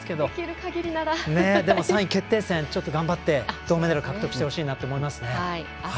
でも３位決定戦、頑張って銅メダル獲得してほしいなと思います。